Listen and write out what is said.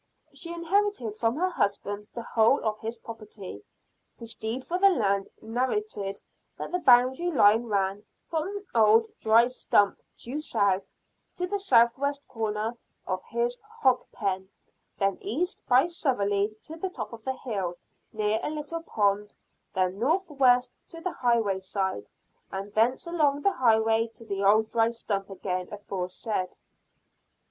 She inherited from her husband the whole of his property. His deed for the land narrated that the boundary line ran "from an old dry stump, due south, to the southwest corner of his hog pen, then east by southerly to the top of the hill near a little pond, then north by west to the highway side, and thence along the highway to the old dry stump again aforesaid."